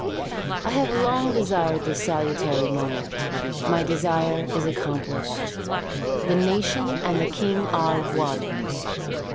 I have long desired this salutary moment; my desire is accomplished. The nation and the King are one.